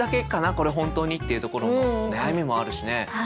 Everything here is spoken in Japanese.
これ本当に」っていうところの悩みもあるしね。